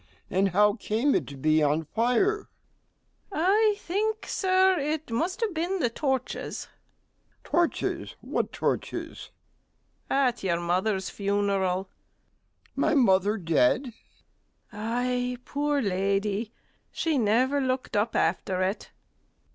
and how came it to be on fire? STEWARD. I think, Sir, it must have been the torches. MR G. Torches! what torches? STEWARD. At your mother's funeral. MR. G. My mother dead? STEWARD. Ay, poor lady, she never looked up after it.